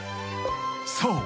［そう。